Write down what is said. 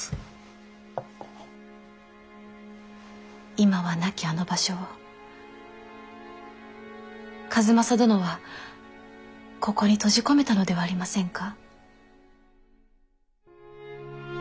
今はなきあの場所を数正殿はここに閉じ込めたのではありませんか？